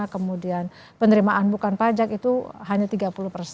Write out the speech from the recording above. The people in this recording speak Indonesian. kemudian penerimaan bukan pajak itu hanya tiga puluh persen